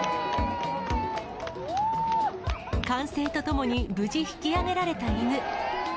歓声とともに無事、引き上げられた犬。